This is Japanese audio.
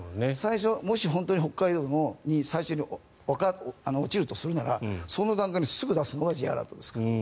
もし本当に北海道に最初に落ちるとするならその段階ですぐに出すのがＪアラートですから。